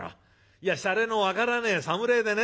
いやしゃれの分からねえ侍でね